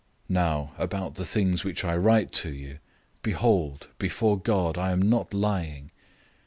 001:020 Now about the things which I write to you, behold, before God, I'm not lying.